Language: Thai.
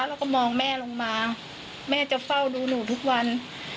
แล้วก็มองแม่ลงมาแม่จะเฝ้าดูหนูทุกวัน